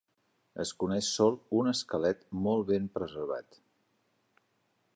Es coneix sol un esquelet molt bé preservat.